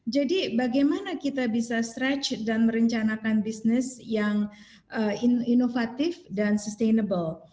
jadi bagaimana kita bisa stretch dan merencanakan bisnis yang inovatif dan sustainable